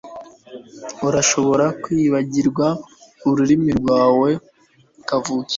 Urashobora kwibagirwa ururimi rwawe kavukire